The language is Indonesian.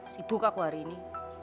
si bukaku hari ini